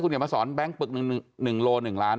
คุณอย่ามาสอนแบงค์ปลึก๑โล๑ล้าน